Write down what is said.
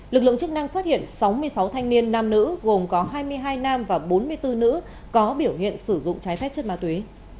lực lượng chức năng phát hiện sáu mươi sáu thanh niên nam nữ gồm có hai mươi hai nam và bốn mươi bốn nữ có biểu hiện sử dụng trái phép chất ma túy